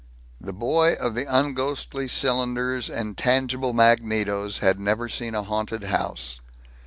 This boy of the unghostly cylinders and tangible magnetos had never seen a haunted house.